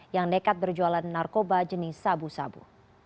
yang nekat berjualan narkoba jenis sabu sabu